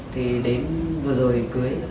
thì đến vừa rồi cưới